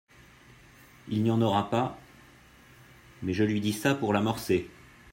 Il n’y en aura pas… mais je lui dis ça pour l’amorcer !